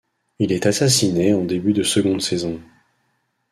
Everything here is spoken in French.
Il est assassiné en début de seconde saison.